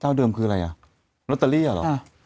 เจ้าเดิมคืออะไรอะโรตเตอรี่หรอ